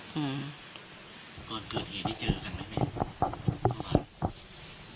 ก่อนเกิดเหตุที่เจอกันไหมแม่